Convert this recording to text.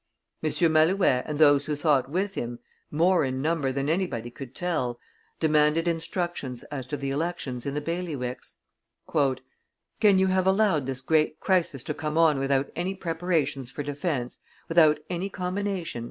M. Malouet and those who thought with him, more in number than anybody could tell, demanded instructions as to the elections in the bailiwicks. "Can you have allowed this great crisis to come on without any preparations for defence, without any combination?"